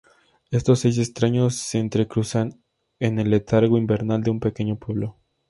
Estos seis extraños se entrecruzan en el letargo invernal de un pequeño pueblo.